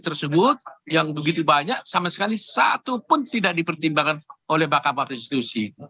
tersebut yang begitu banyak sama sekali satu pun tidak dipertimbangkan oleh mahkamah konstitusi